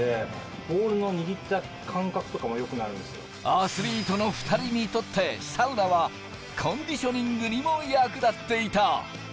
アスリートの２人にとってサウナはコンディショニングにも役立っていた。